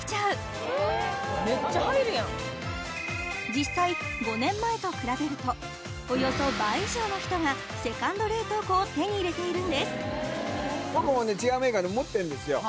実際５年前と比べるとおよそ倍以上の人がセカンド冷凍庫を手に入れているんです僕もね。